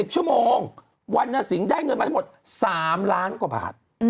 ๑ชั่วโมงวันนสิงห์ได้เงินมาทั้งหมด๓ล้านกว่าบาท